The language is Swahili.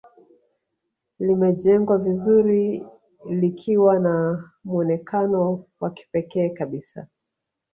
Limejengwa vizuri likiwa na mwonekano wa kipekee kabisa